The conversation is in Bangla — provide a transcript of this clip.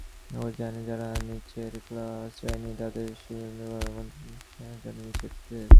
ও জানে, যারা নীচের শ্রেণীর, তাদের সুখদুঃখ-ভালোমন্দর মাপকাঠি চিরকালের জন্যেই নীচের দরের।